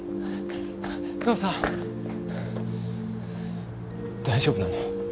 父さん大丈夫なの？